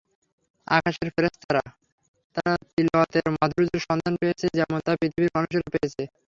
আকাশের ফেরেশতারা তাঁর তিলাওয়াতের মাধুর্যের সন্ধান পেয়েছে যেমন তা পৃথিবীর মানুষেরা পেয়েছে।